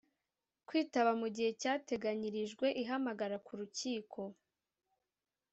kwitaba mu gihe cyateganyirijwe ihamagara ku rukiko